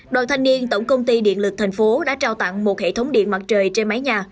đoàn thanh niên tổng công ty điện lực thành phố đã trao tặng một hệ thống điện mặt trời trên mái nhà